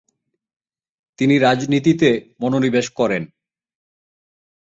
তিনি রাজনীতিতে মনোনিবেশ করেন।